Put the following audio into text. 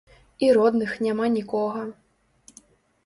І родных няма нікога.